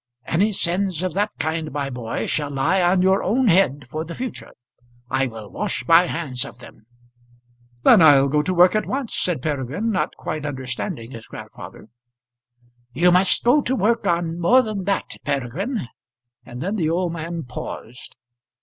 "Any sins of that kind, my boy, shall lie on your own head for the future. I will wash my hands of them." "Then I'll go to work at once," said Peregrine, not quite understanding his grandfather. "You must go to work on more than that, Peregrine." And then the old man paused.